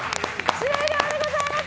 終了でございます。